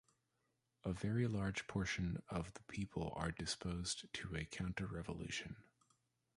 A very large portion of the people are disposed to a counterrevolution.